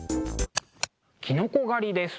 きのこ狩りです。